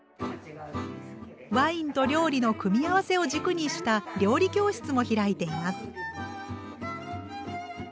ワインと料理の組み合わせを軸にした料理教室も開いています。